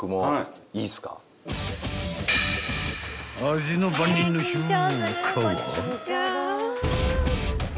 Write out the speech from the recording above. ［味の番人の評価は？］